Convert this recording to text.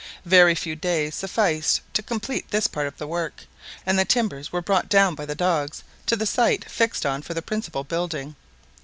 Very few days sufficed to complete this part of the work, and the timbers were brought down by the dogs to the site fixed on for the principal building.